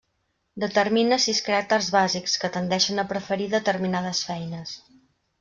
Determina sis caràcters bàsics, que tendeixen a preferir determinades feines.